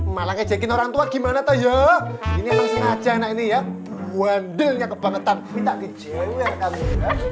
malah ngejekin orang tua gimana tuh ya ini aja ini ya waduh kebangetan kita kecewa kamu